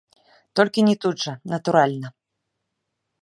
Толькі не тут жа, натуральна.